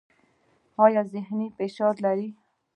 ایا ذهني فشار لرئ؟